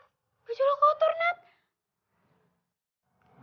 gajolah kotor nath